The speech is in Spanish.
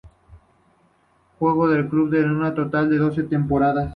Jugó en el club un total de doce temporadas.